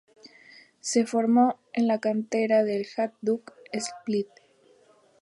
Se formó en la cantera del Hajduk Split.